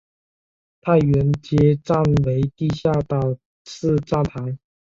太原街站为地下岛式站台。